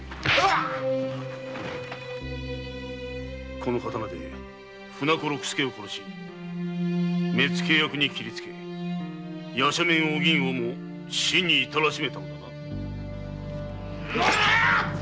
この刀で船子・六助を殺し目付役に斬りつけ夜叉面お銀をも死にいたらしめたのだな。